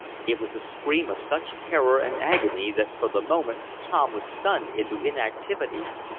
It was a scream of such terror and agony that, for the moment, Tom was stunned into inactivity.